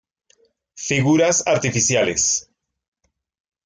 Figuras artificiales.